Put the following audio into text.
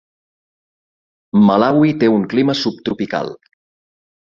Malawi té un clima subtropical.